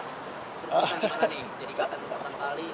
terus makan gimana nih jadi katanya pertama kali